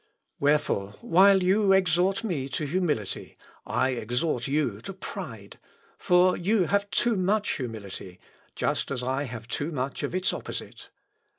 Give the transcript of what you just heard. Wherefore, while you exhort me to humility, I exhort you to pride; for you have too much humility, just as I have too much of its opposite.